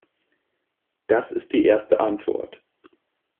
Das ist die erste Antwort.